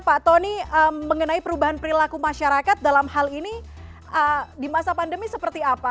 pak tony mengenai perubahan perilaku masyarakat dalam hal ini di masa pandemi seperti apa